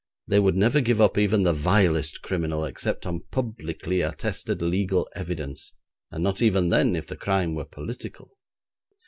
They would never give up even the vilest criminal except on publicly attested legal evidence, and not even then, if the crime were political.